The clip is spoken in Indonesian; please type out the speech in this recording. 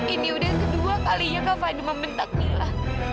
ini udah kedua kalinya kak fadu membentak mila